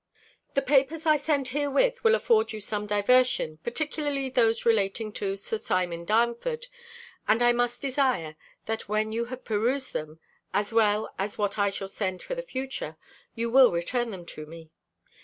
The papers I send herewith will afford you some diversion, particularly those relating to Sir Simon Darnford; and I must desire, that when you have perused them (as well as what I shall send for the future), you will return them to me.